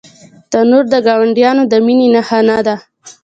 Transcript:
تنور د ګاونډیانو د مینې نښانه ده